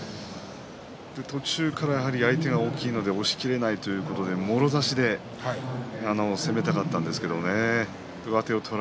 途中からやはり相手が大きいので押しきれないということでもろ差しで攻めたかったんですけどね